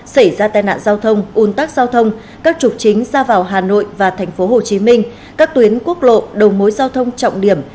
xảy ra tai nạn giao thông ồn tắc giao thông các trục chính xa vào hà nội và thành phố hồ chí minh các tuyến quốc lộ đồng mối giao thông trọng điểm